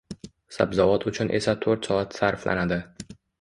Sabzavot uchun esa to'rt soat sarflanadi.